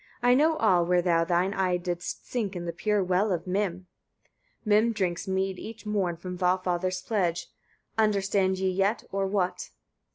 I know all, where thou thine eye didst sink in the pure well of Mim." Mim drinks mead each morn from Valfather's pledge. Understand ye yet, or what?